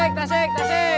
kasih kasih kasih